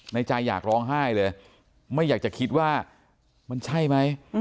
ในใจอยากร้องไห้เลยไม่อยากจะคิดว่ามันใช่ไหม